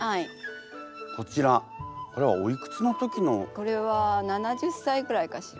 これは７０さいぐらいかしら。